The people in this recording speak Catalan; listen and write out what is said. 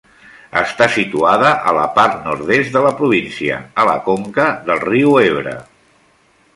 Està situada a la part nord-est de la província, a la conca del riu Ebre.